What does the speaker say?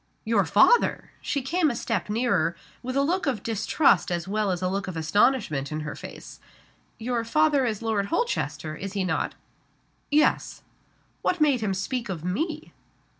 "Your father!" She came a step nearer, with a look of distrust as well as a look of astonishment in her face. "Your father is Lord Holchester is he not?" "Yes." "What made him speak of _me?